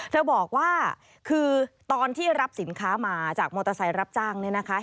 เธอบอกว่าคือตอนที่รับสินค้ามาจากมอเตอร์ไซค์รับจ้างเนี่ยนะคะ